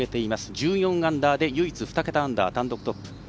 １４アンダーで唯一２桁単独トップ。